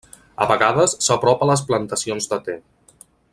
A vegades s'apropa a les plantacions de te.